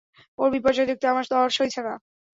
ওর বিপর্যয় দেখতে আর তর সইছে না।